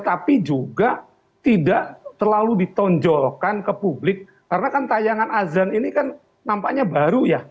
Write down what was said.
tapi juga tidak terlalu ditonjolkan ke publik karena kan tayangan azan ini kan nampaknya baru ya